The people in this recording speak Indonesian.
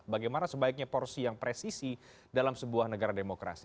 bagaimana sebaiknya porsi yang presisi dalam sebuah negara demokrasi